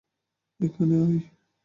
এখানে আয়!